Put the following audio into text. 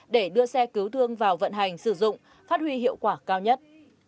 để đưa xe cứu thương vào vận hành sử dụng phát huy hiệu quả cao nhất